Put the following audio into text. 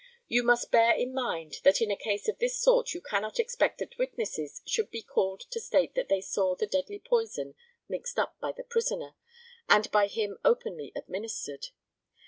You must bear in mind that in a case of this sort you cannot expect that witnesses should be called to state that they saw the deadly poison mixed up by the prisoner, and by him openly administered.